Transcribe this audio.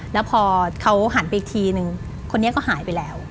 แล้วพอเขาหันไปอีกทีนึงคนนี้ก็หายไปแล้ว